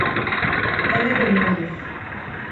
Eve dönüyoruz.